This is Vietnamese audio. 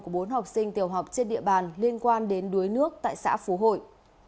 của bốn học sinh tiểu học trên địa bàn liên quan đến đuối nước tại xã phú hội